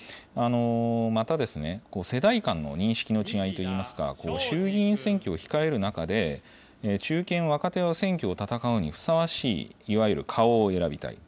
また、世代間の認識の違いといいますか、衆議院選挙を控える中で、中堅・若手は選挙を戦うにふさわしい、いわゆる顔を選びたい。